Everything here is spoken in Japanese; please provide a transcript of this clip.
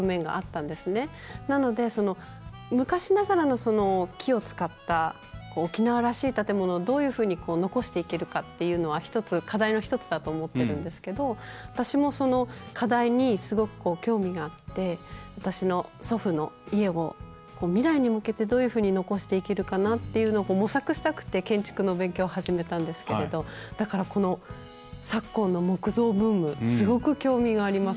なので、昔ながらの木を使った沖縄らしい建物をどういうふうに残していけるかというのは課題の１つだと思っているんですけど私も、その課題にすごく興味があって私の祖父の家を未来に向けてどういうふうに残していけるかなっていうのを模索したくて建築の勉強を始めたんですけれどだから、この昨今の木造ブームすごく興味があります。